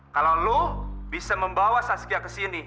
kalau lo bisa membawa saskia kesini